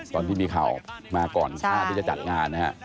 ตอนที่มีข่าวออกมาก่อนหน้าที่จะจัดงานนะฮะ